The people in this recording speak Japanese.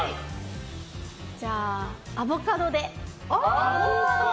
じゃあ、アボカドで。